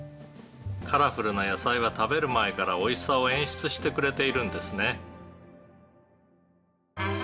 「カラフルな野菜は食べる前からおいしさを演出してくれているんですね」